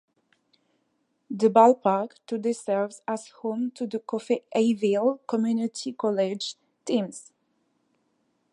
The ballpark today serves as home to the Coffeyville Community College teams.